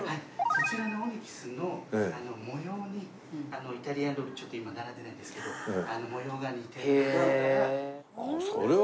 そちらのオニキスの模様にイタリアンロールちょっと今並んでないんですけど模様が似ているから。